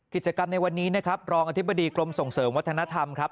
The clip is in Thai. กิจกรรมในวันนี้นะครับรองอธิบดีกรมส่งเสริมวัฒนธรรมครับ